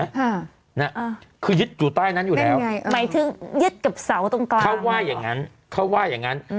อ่าคือยึดอยู่ใต้นั้นอยู่แล้วยังไงหมายถึงยึดกับเสาตรงกลางเขาว่าอย่างงั้นเขาว่าอย่างงั้น